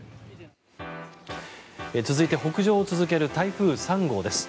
続いて北上を続ける台風３号です。